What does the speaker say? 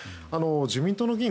自民党の議員